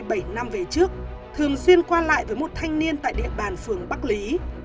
người cách đây bảy năm về trước thường xuyên qua lại với một thanh niên tại địa bàn phường bắc lý